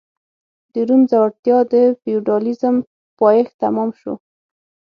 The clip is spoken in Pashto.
د روم ځوړتیا د فیوډالېزم په پایښت تمام شو.